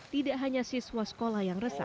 tidak hanya siswa sekolah